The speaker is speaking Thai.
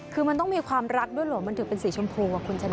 คือมันต้องมีความรักด้วยเหรอมันถึงเป็นสีชมพูอ่ะคุณชนะ